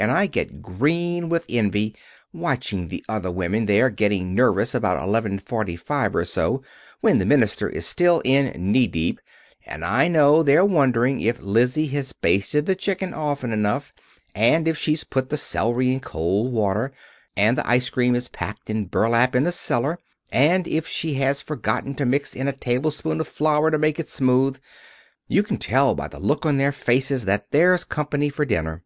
And I get green with envy watching the other women there getting nervous about 11:45 or so, when the minister is still in knee deep, and I know they're wondering if Lizzie has basted the chicken often enough, and if she has put the celery in cold water, and the ice cream is packed in burlap in the cellar, and if she has forgotten to mix in a tablespoon of flour to make it smooth. You can tell by the look on their faces that there's company for dinner.